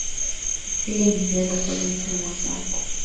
Akili ni nywele kila mtu ana zake